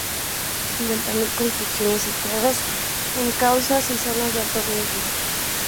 cincuentamil construcciones situadas en cauces y zonas de alto riesgo